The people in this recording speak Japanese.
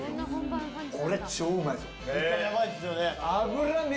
これ、超うまいですよ。